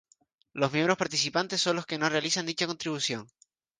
Los miembros participantes son los que no realizan dicha contribución.